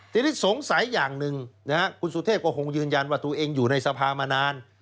ทีนี้สงสัยอย่างหนึ่งคุณสุเทพก็คงยืนยันว่าตัวเองอยู่ในสภามานาน